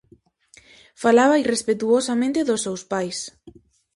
Falaba irrespectuosamente dos seus pais.